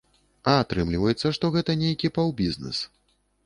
А атрымліваецца, што гэта нейкі паўбізнэс.